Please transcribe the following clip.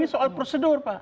ini soal prosedur pak